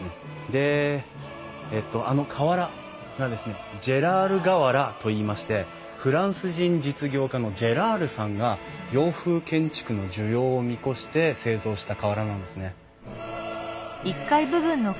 でえっとあの瓦がですねジェラール瓦といいましてフランス人実業家のジェラールさんが洋風建築の需要を見越して製造した瓦なんですね。